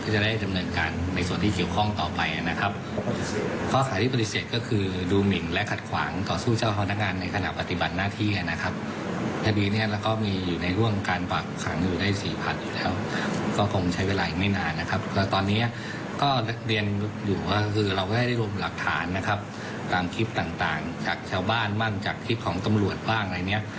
ชาวบ้านบ้างจากคลิปของตำรวจบ้างอะไรอย่างนี้